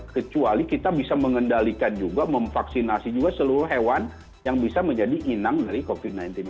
kecuali kita bisa mengendalikan juga memvaksinasi juga seluruh hewan yang bisa menjadi inang dari covid sembilan belas ini